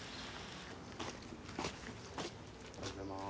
おはようございます。